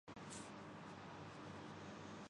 یا رسول اللہ، کیا آپ کے ساتھ بھی یہی معا ملہ ہے؟